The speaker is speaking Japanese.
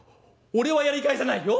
「俺はやり返さないよ。